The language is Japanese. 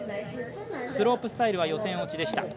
スロープスタイルは予選落ち。